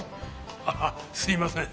あすいません。